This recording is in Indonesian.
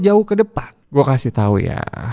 jauh ke depan gue kasih tau ya